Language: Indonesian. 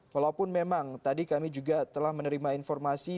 walaupun memang tadi kami juga telah menerima informasi